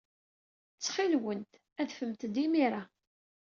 Ttxil-went, adfemt-d imir-a.